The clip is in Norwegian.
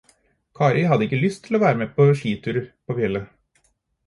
Kari hadde ikke lyst til å være med på skitur på fjellet.